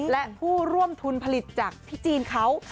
และผู้ร่วมทุนผลิตจากที่จีนเขา